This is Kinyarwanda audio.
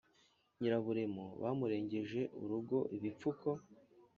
Nyiraburemo bamurengeje urugo-Ibipfuko.